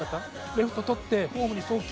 「レフト捕ってホームに送球！」